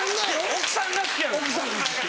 奥さんが好きなんです。